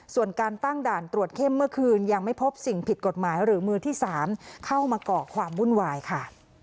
ส่วนการตั้งด่านตรวจเข้มเมื่อคืนยังไม่พบสิ่งผิดกฎหมายหรือมือที่๓เข้ามาก่อความวุ่นวายค่ะ